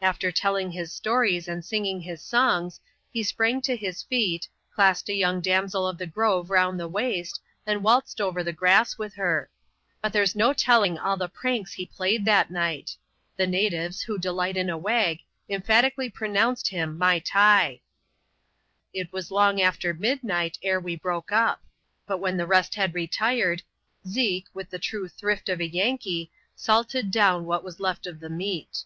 After telling his stories, and singing his songs, he sprang to his feet, clasped a young damsel of the grove round the waist^ and waltzed over the grass with her. But there's no telling all the pranks he played that night. The natives, who delight in a wag, empha tically pronounced him " maitai." It was long after midnight ere we broke up ; but when the rest had retired, Zeke, with the true thrift of a Yankee, salted down what was left of the meat.